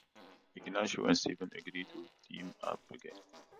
Ignacio and Steven agree to team up again.